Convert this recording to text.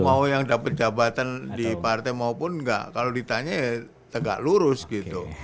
mau yang dapat jabatan di partai maupun enggak kalau ditanya ya tegak lurus gitu